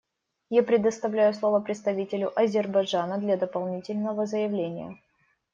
Я предоставляю слово представителю Азербайджана для дополнительного заявления.